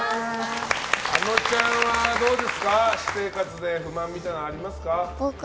あのちゃんは私生活で不満みたいなのありますか？